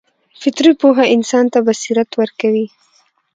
فطري پوهه انسان ته بصیرت ورکوي.